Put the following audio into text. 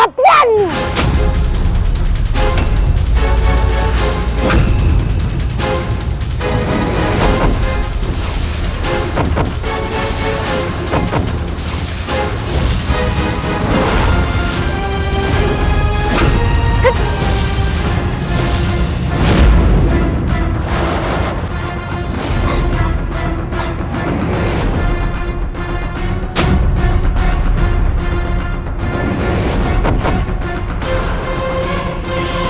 aku akan menangkapmu